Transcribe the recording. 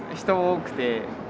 人多くて。